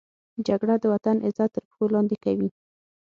جګړه د وطن عزت تر پښو لاندې کوي